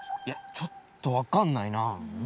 いやちょっとわかんないな。